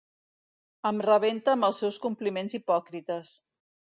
Em rebenta amb els seus compliments hipòcrites.